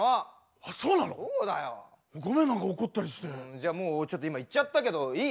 じゃあもうちょっと今言っちゃったけどいい？